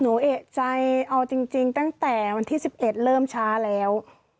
เอกใจเอาจริงตั้งแต่วันที่๑๑เริ่มช้าแล้ว